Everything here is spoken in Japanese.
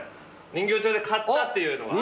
人形町で買ったっていうのが。